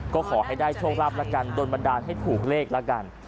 ก็ขอให้ได้โชคลาภแล้วกันโดนบันดาลให้ถูกเลขแล้วกัน